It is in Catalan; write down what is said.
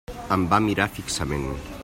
Em va mirar fixament.